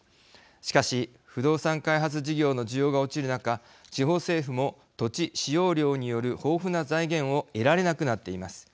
しかし不動産開発事業の需要が落ちる中地方政府も土地使用料による豊富な財源を得られなくなっています。